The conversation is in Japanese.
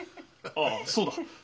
ああそうだ。